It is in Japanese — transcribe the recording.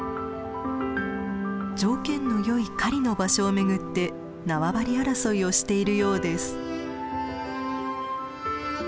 条件のよい狩りの場所を巡って縄張り争いをしているようです。